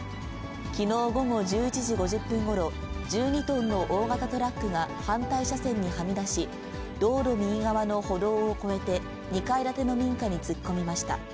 きのう午後１１時５０分ごろ、１２トンの大型トラックが反対車線にはみ出し、道路右側の歩道を越えて、２階建ての民家に突っ込みました。